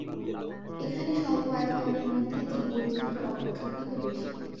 এখানে স্বল্প আয়তনের মধ্যে জীববৈচিত্র্য অপেক্ষাকৃত বেশি।